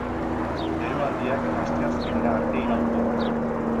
Beroaldiak asteazkenera arte iraungo du.